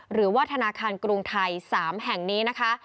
หรือว่าธนาคารกรุงไทย๓แห่งนี้นะคะ